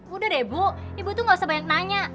udah deh bu ibu tuh gak usah banyak nanya